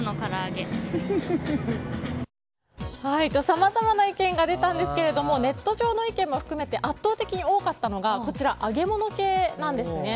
さまざまな意見が出たんですがネット上の意見も含めて圧倒的に多かったのが揚げ物系なんですね。